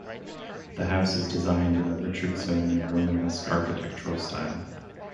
The house is designed in the Richardsonian Romanesque architectural style.